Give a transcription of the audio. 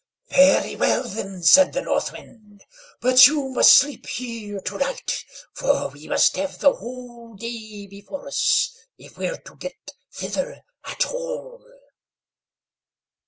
"Very well, then," said the North Wind, "but you must sleep here to night, for we must have the whole day before us, if we're to get thither at all."